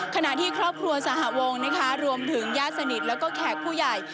ขณะที่ครอบครัวสหวงนะคะรวมถึงญาติสนิทแล้วก็แขกผู้ใหญ่